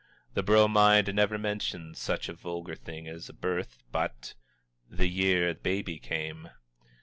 The Bromide never mentions such a vulgar thing as a birth, but "The Year Baby Came."